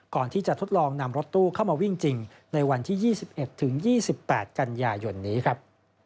ทดลองนำรถตู้เข้ามาวิ่งจริงในวันที่๒๑๒๘กันยายนนี้ครับ